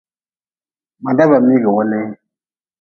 Ma daba miigi weelee.